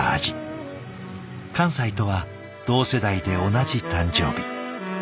寛斎とは同世代で同じ誕生日。